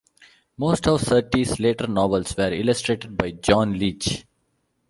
Most of Surtees's later novels, were illustrated by John Leech.